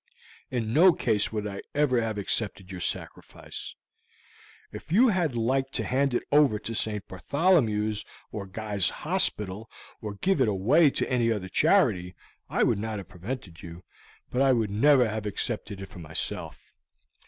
In no case would I ever have accepted your sacrifice. If you had liked to hand it over to St. Bartholomew's or Guy's Hospital, or to give it away to any other charity, I would not have prevented you, but I would never have accepted it for myself.